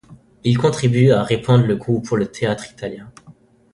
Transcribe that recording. Il contribue à répandre le goût pour le théâtre italien.